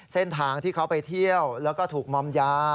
เส้นทางที่เขาไปเที่ยวแล้วก็ถูกมอมยา